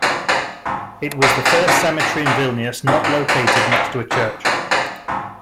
It was the first cemetery in Vilnius not located next to a church.